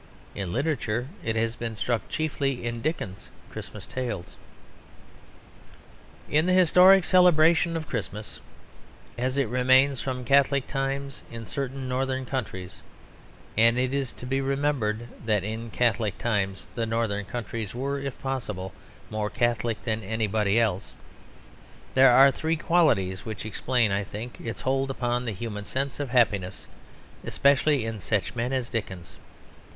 In literature it has been struck chiefly in Dickens's Christmas tales. In the historic celebration of Christmas as it remains from Catholic times in certain northern countries (and it is to be remembered that in Catholic times the northern countries were, if possible, more Catholic than anybody else), there are three qualities which explain, I think, its hold upon the human sense of happiness, especially in such men as Dickens.